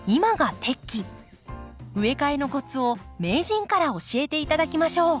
植え替えのコツを名人から教えて頂きましょう。